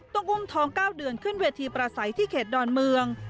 อุ้มทอง๙เดือนขึ้นเวทีประสัยที่เขตดอนเมือง